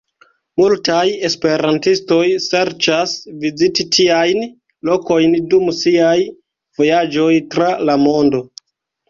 Multaj esperantistoj serĉas viziti tiajn lokojn dum siaj vojaĝoj tra la mondo.